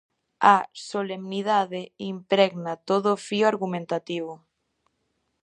A solemnidade impregna todo o fío argumentativo.